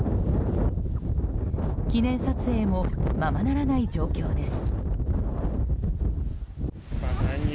記念撮影もままならない状況です。